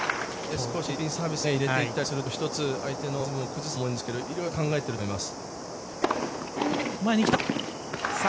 少し、スピンサービスも入っていったりすると１つ相手のリズムを崩せると思うんですけどいろいろ考えていると思います。